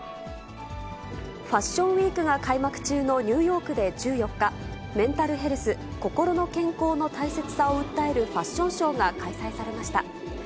ファッションウィークが開幕中のニューヨークで１４日、メンタルヘルス・心の健康の大切さを訴えるファッションショーが開催されました。